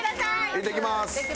いってきます。